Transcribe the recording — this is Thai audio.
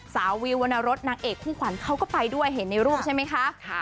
วิววรรณรสนางเอกคู่ขวัญเขาก็ไปด้วยเห็นในรูปใช่ไหมคะ